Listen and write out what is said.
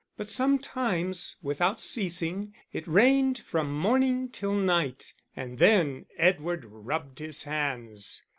But sometimes, without ceasing, it rained from morning till night, and then Edward rubbed his hands.